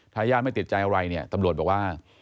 ถ้าญาติไม่ติดใจอะไรเนี่ยตำรวจบอกว่า